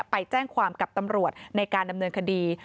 ไปแจ้งความกับตำรวจในการดำเนินคดี